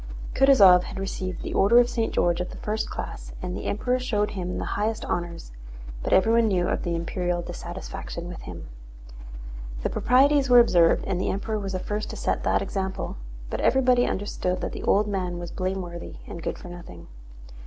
Kutúzov had received the Order of St. George of the First Class and the Emperor showed him the highest honors, but everyone knew of the imperial dissatisfaction with him. The proprieties were observed and the Emperor was the first to set that example, but everybody understood that the old man was blameworthy and good for nothing.